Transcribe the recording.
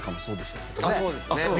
そうですね。